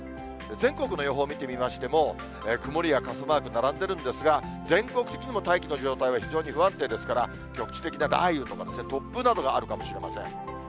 全国の予報を見てみましても、曇りや傘マーク並んでいるんですが、全国的にも大気の状態は非常に不安定ですから、局地的な雷雨とか、突風などがあるかもしれません。